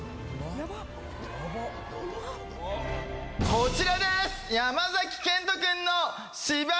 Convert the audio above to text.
こちらです！